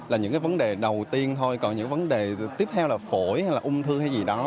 là những cái vấn đề đầu tiên thôi còn những vấn đề tiếp theo là phổi hay là ung thư hay gì đó